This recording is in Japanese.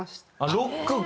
ロックか。